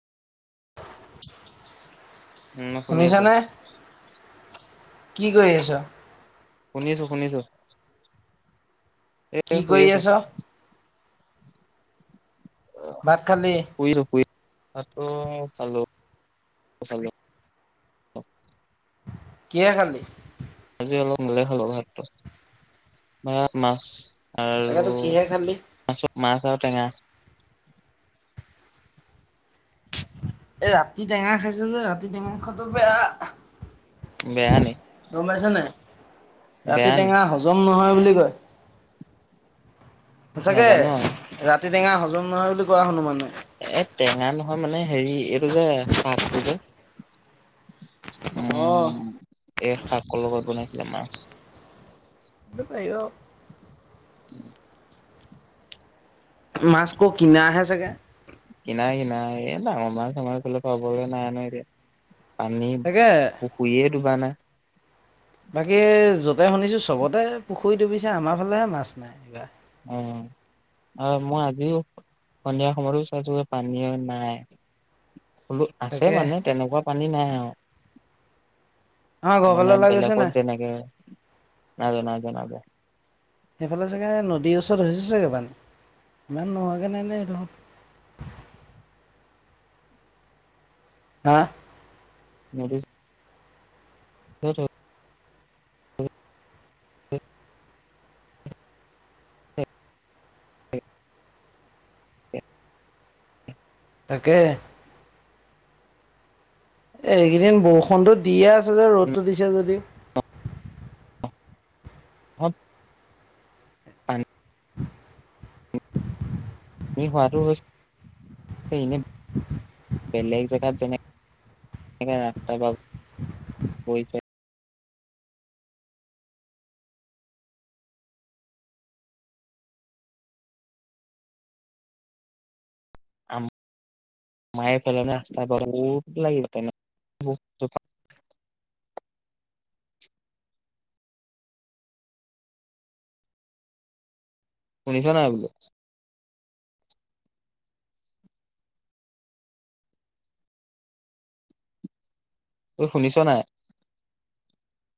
উম শুনি আছো শুনিছানে? কি কৰি আছ? শুনিছোঁ, শুনিছোঁ। কি কৰি আছ? ভাত খালি? শুইছো, শুই ভাতটো খালো। খালো। কিহে খালী? আজি অলপ মোলে হল ভাতটো। ভাত মাছ। আৰু তাকেতো কিহে খালি? মাছ মাছ আৰু টেঙা। এ, ৰাতি টেঙা খাইছে যে, ৰাতি টেঙা খোৱাটো বেয়া বেয়া। নি, দৌৰ মাৰিছ নাই? ৰাতি বেয়া নি, টেঙা হজম নহয় বুলি কয়। সচাঁকে, নাজানো আৰু, ৰাতি টেঙা হজম নহয় বুলি কোৱা শুনো মানে। এ, টেঙা নহয় মানে হেৰি, এইটো যে শাকটো যে। উম, অ এই শাকৰ লগত বনাইছিলে মাছ। এটো পায়ীঅ উম [unintelligible] মাছ ক কিনা হে চাগে কিনা, কিনা। এই ডাঙৰ মাছ আমাৰ সেফালে পাবৈ নাই নহয় এতিয়া। পানী তাকে পুখুয়ীয়ে দুবা নাই। বাকী, য'তে শুনিছোঁ চবতে পুখুৰী ডুবিছে, আমাৰ ফালেহে মাছ নাই এইবাৰ। উ। অ', মই আজিও সন্ধিয়া সময়তো চাইছোগে পানীয়ে নাই বোলো, আছে তাকে মানে তেনেকুৱা পানী নাই আৰু। আমাৰ ঘৰৰ মানে ফালে ওলাই গৈছে বেলেগত নাই? যেনেকে, নাইযোৱা, নাইযোৱা, নাইযোৱা। সেইফালে চাগে নদীৰ ওচৰত হৈছে চাগে পানী। ইমান নোহোৱাকে নাইনে সেইটো? হা আৰু? [unintelligible] তাকে। এ, এইকেইদিন বৰষুণতটো দিয়ে আছে যে ৰ'দটো দিছে যদিও। বত [unintelligible] পান [inaudible] এনে হোৱাটো হৈছে। ইনে বেলেগ জেগাত যেনে সেকাৰনে ৰাস্তা বা বৈছে। আম। মায়ে [unintelligible] শুনিছ নাই বোলো তুই শুনিছ নাই